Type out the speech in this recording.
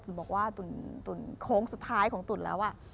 บอกว่าตุ่นโค้งสุดท้ายของตุ๋นแล้ว